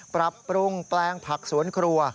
ปรับปรุงแปลงผักสวนครัว